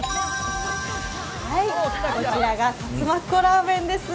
こちらがさつまっこラーメンです。